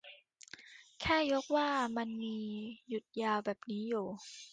แค่ยกว่า มันมีหยุดยาวแบบนี้อยู่